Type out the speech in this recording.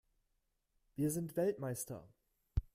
Wir sind Weltmeister!